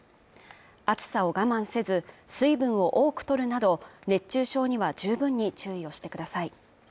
暑さを我慢せず、水分を多くとるなど、熱中症には十分に注意をしてください。